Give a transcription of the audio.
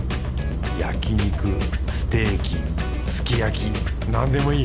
焼肉ステーキすき焼きなんでもいい！